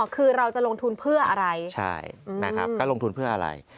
คือเราจะลงทุนเพื่ออะไรใช่นะครับก็ลงทุนเพื่ออะไร